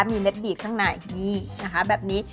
มีเม็ดบีดข้างในอย่างนี้นะคะแบบนี้